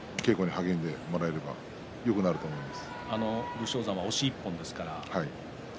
これだけを意識して稽古に励んでもらえればよくなると思います。